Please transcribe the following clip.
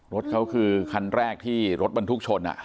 รถเขาคือคันแรกที่รถบรรทุกชน